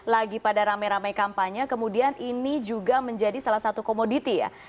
lagi pada rame rame kampanye kemudian ini juga menjadi salah satu komoditi ya